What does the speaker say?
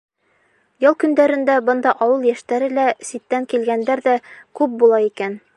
Ял көндәрендә бында ауыл йәштәре лә, ситтән килгәндәр ҙә күп була икән.